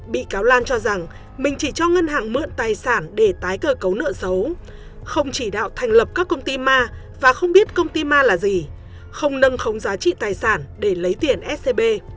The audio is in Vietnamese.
bị cáo lan cho rằng mình chỉ cho ngân hàng mượn tài sản để tái cơ cấu nợ xấu không chỉ đạo thành lập các công ty ma và không biết công ty ma là gì không nâng khống giá trị tài sản để lấy tiền scb